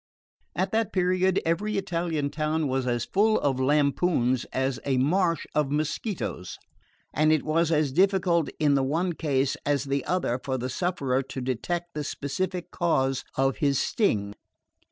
At that period every Italian town was as full of lampoons as a marsh of mosquitoes, and it was as difficult in the one case as the other for the sufferer to detect the specific cause of his sting.